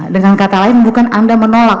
dengan kata lain bukan anda menolak